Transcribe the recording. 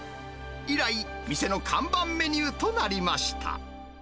以来、店の看板メニューとなりました。